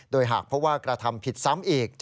โดยหากเพราะว่ากระทำผิดซ้ำอีก